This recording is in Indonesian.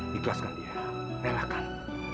kita harus ajak dia pulang